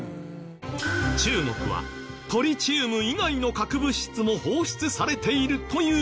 中国はトリチウム以外の核物質も放出されているという理由で反発。